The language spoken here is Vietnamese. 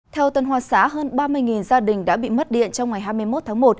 theo tân hoa xá hơn ba mươi gia đình đã bị mất điện trong ngày hai mươi một tháng một